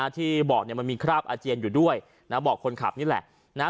ที่บอกมันมีคราบอาเจียนอยู่ด้วยบอกคนขับนี้แหละ